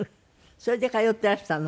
それで通っていらしたの？